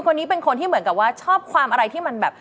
คนนี้เป็นคนที่เหมือนกับว่าชอบความอะไรที่มันแบบ